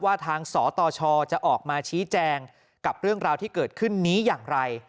ว่าทางสตชจะออกมาชี้แจงกับเรื่องราวที่เกิดขึ้นนี้อย่างไร